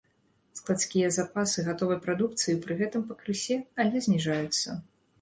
Складскія запасы гатовай прадукцыі пры гэтым пакрысе, але зніжаюцца.